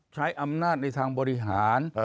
ใช้อำนาจในทางบริหาร